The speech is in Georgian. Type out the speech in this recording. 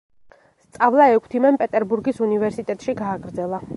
სწავლა ექვთიმემ პეტერბურგის უნივერსიტეტში გააგრძელა.